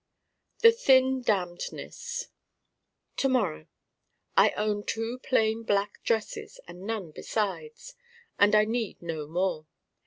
A thin damnedness To morrow I own Two plain black Dresses and none besides. And I need no more.